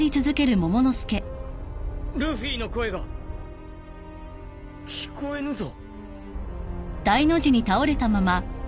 ルフィの声が聞こえぬぞ！？